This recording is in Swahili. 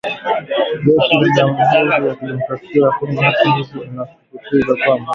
Jeshi la Jamuhuri ya Kidemokrasia ya Kongo hata hivyo linasisitiza kwamba